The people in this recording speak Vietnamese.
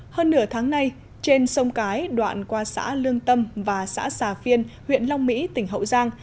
hơn nửa tháng nay trên sông cái đoạn qua xã lương tâm và xã xà phiên huyện long mỹ tỉnh hậu giang